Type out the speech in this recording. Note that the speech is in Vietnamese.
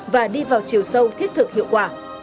và đi vào chiều sâu thiết thực hiệu quả